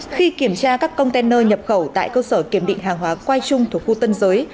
khi kiểm tra các container nhập khẩu tại cơ sở kiểm định hàng hóa quai trung thuộc khu tân giới